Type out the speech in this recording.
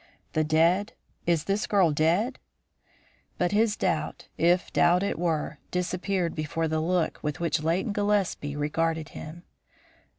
"The dead? Is this girl dead?" But his doubt, if doubt it were, disappeared before the look with which Leighton Gillespie regarded him.